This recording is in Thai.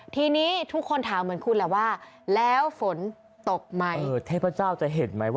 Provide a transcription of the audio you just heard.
ทีนี้ทุกคนถามเหมือนคุณแล้วว่าแล้วฝนตกมั้ย